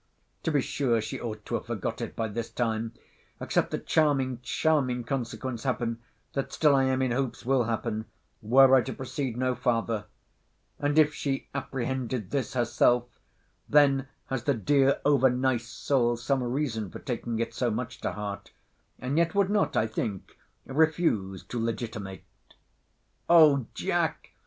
To be sure she ought to have forgot it by this time, except the charming, charming consequence happen, that still I am in hopes will happen, were I to proceed no farther. And, if she apprehended this herself, then has the dear over nice soul some reason for taking it so much to heart; and yet would not, I think, refuse to legitimate. O Jack!